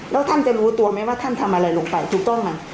แล้วท่านจะรู้ตัวไหมว่าท่านทำอะไรลงไปถูกต้องไหม